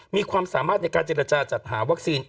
มีความสามารถในการเจรจาจัดหาวัคซีน